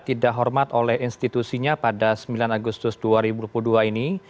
tidak hormat oleh institusinya pada sembilan agustus dua ribu dua puluh dua ini